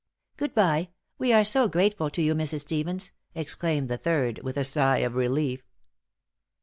"Good bye! We are so grateful to you, Mrs. Stevens," exclaimed the third, with a sigh of relief.